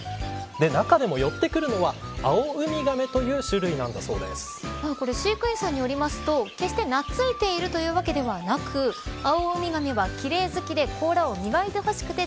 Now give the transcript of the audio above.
中でも寄ってくるのはアオウミガメというこれ飼育員さんによりますと決して、なついているというわけではなくアオウミガメは奇麗好きで甲羅を磨いてほしくて